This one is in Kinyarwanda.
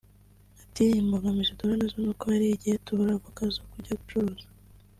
Ati ‘‘Imbogamizi duhura nazo nuko hari igihe tubura avoka zo kujya gucuruza